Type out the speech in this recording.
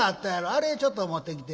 あれちょっと持ってきて」。